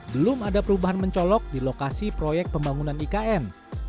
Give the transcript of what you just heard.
belum ada perubahan mencolok di lokasi proyek pembangunan ikn